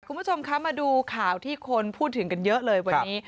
คุณผู้ชมคะมาดูข่าวที่คนพูดถึงกันเยอะเลยวันนี้